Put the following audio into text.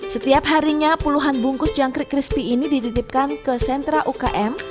setiap harinya puluhan bungkus jangkrik crispy ini dititipkan ke sentra ukm